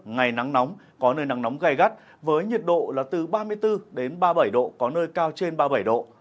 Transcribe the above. ngày nắng nóng có nơi nắng nóng gai gắt với nhiệt độ là từ ba mươi bốn đến ba mươi bảy độ có nơi cao trên ba mươi bảy độ